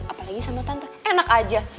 apalagi sama tante enak aja